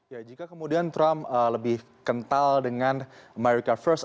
ya jika kemudian trump lebih kental dengan america first